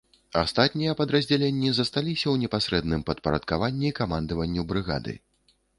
Астатнія падраздзяленні засталіся ў непасрэдным падпарадкаванні камандаванню брыгады.